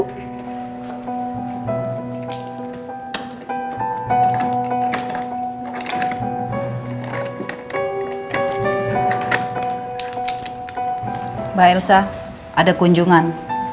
mbak elsa ada kunjungan